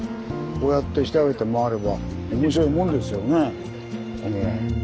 こうやって下を見て回れば面白いもんですよね。